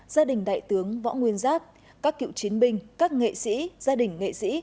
gia đình đại tướng võ nguyên giáp các cựu chiến binh các nghệ sĩ gia đình nghệ sĩ